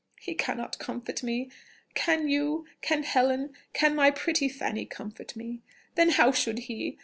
"He cannot comfort me!... Can you, can Helen, can my pretty Fanny comfort me?... Then how should he?...